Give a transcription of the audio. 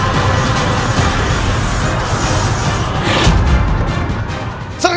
jangan membuat kekacauan di tempat ini